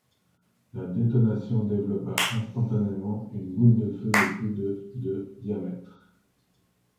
La détonation développa instantanément une boule de feu de plus de de diamètre.